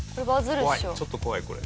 ちょっと怖いこれ。